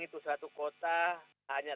itu satu kota hanya